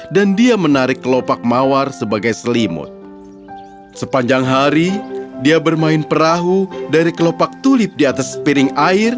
dia membuatkan ayunan dari kulitnya